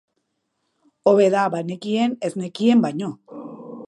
Hobe da banekien ez nekien baino.